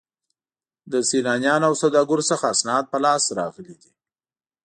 له سیلانیانو او سوداګرو څخه اسناد په لاس راغلي دي.